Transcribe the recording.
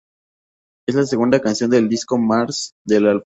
Es la segunda canción del disco "Mars" del álbum.